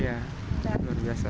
iya luar biasa